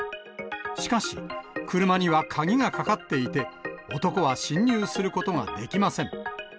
しかし、車には鍵がかかっていて、男は侵入することができません。